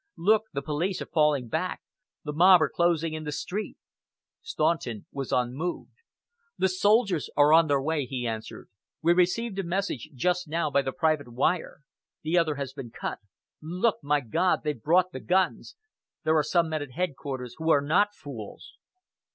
Look, the police are falling back. The mob are closing in the street!" Staunton was unmoved. "The soldiers are on their way," he answered. "We received a message just now by the private wire. The other has been cut. Look! My God, they've brought the guns! There are some men at headquarters who are not fools."